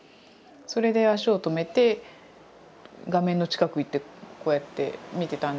それで足を止めて画面の近く行ってこうやって見てたんですが。